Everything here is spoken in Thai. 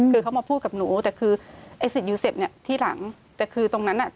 คือเขามาพูดกับหนูแต่คือ